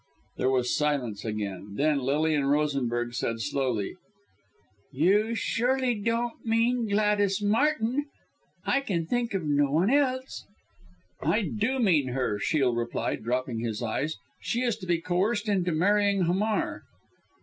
There was silence again. Then Lilian Rosenberg said slowly "You surely don't mean Gladys Martin! I can think of no one else." "I do mean her!" Shiel replied, dropping his eyes. "She is to be coerced into marrying Hamar."